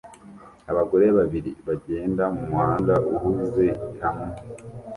Abagore babiri bagenda mumuhanda uhuze hamwe